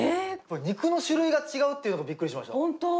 肉の種類が違うっていうのがびっくりしました。